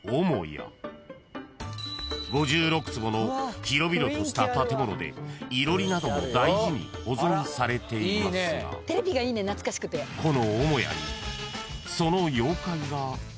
［５６坪の広々とした建物でいろりなども大事に保存されていますがこの母屋に］